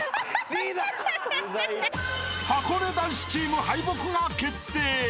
［はこね男子チーム敗北が決定］